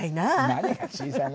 何が「小さいな」だよ。